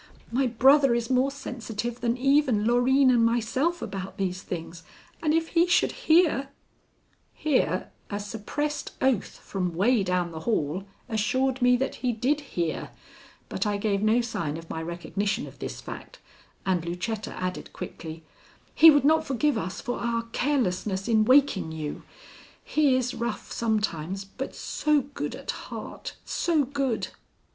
My brother is more sensitive than even Loreen and myself about these things, and if he should hear " Here a suppressed oath from way down the hall assured me that he did hear, but I gave no sign of my recognition of this fact, and Lucetta added quickly: "He would not forgive us for our carelessness in waking you. He is rough sometimes, but so good at heart, so good."